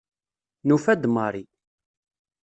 Nufa-d Mari.